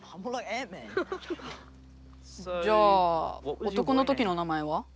「じゃあ男のときの名前は？」。